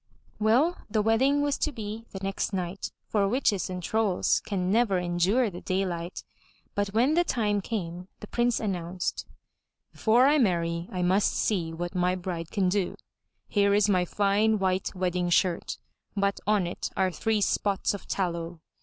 Well, the wedding was to be the next night, for witches and trolls can never endure the daylight. But when the time came, the Prince announced: * 'Before I marry, I must see what my bride can do. Here is my fine, white wedding shirt, but on it are three spots of tallow.